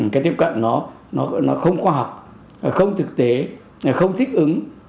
cái tiếp cận nó không khoa học không thực tế không thích ứng